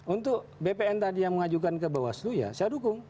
untuk bpn tadi yang mengajukan ke bawaslu ya saya dukung